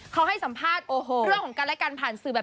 เขาให้สัมภาษณ์เรื่องของกันและกันผ่านสื่อแบบ